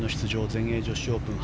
全英女子オープン。